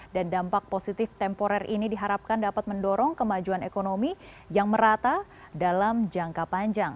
dan dampak positif temporer ini diharapkan dapat mendorong kemajuan ekonomi yang merata dalam jangka panjang